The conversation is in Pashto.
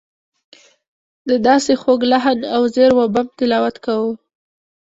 ده داسې خوږ لحن او زیر و بم تلاوت کاوه.